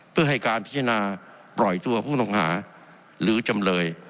เพื่อให้การพิจารณาปล่อยตัวผู้ต้องหาหรือจำเลย